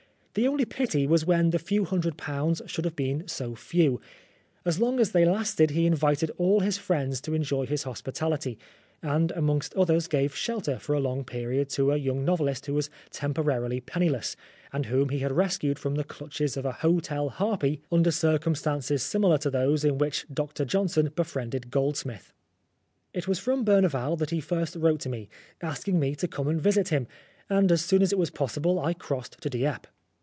The only pity was that the few hundred pounds should have been so few. As long as they lasted he invited all his friends to enjoy his hospitality, and amongst others gave shelter for a long period to a young novelist who was temporarily penniless, and whom he had rescued from the clutches of an hotel harpy under cir cumstances similar to those in which Dr. Johnson befriended Goldsmith. 231 Oscar Wilde It was from Berneval that he first wrote to me, asking me to come and visit him, and as soon as it was possible I crossed to Dieppe.